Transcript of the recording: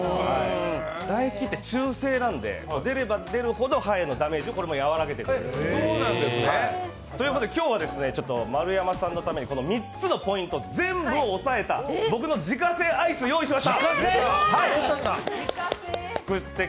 唾液って中性なので出れば出るほど歯へのダメージを和らげてくれる。ということで、今日は丸山さんのために、この３つのポイント全部を押さえた僕の自家製アイスを用意しました。